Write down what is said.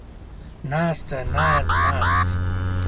ناسته ، ناز ، ناست